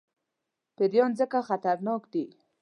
پیران ځکه خطرناک دي.